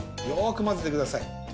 よくまぜてください。